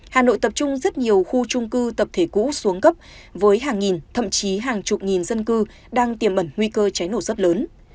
hà nội tập trung rất nhiều khu trung cư tập thể cũ xuống cấp với hàng nghìn thậm chí hàng chục nghìn dân cư đang tiềm ẩn nguy cơ cháy nổ rất lớn